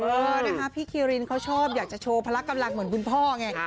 เออนะคะพี่คิรินเขาชอบอยากจะโชว์พละกำลังเหมือนคุณพ่อไง